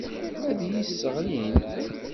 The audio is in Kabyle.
Ad iyi-sseɣlint.